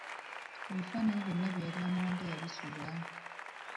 Ebifaananyi byonna bye yali amuwadde yabisuula.